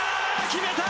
決めた！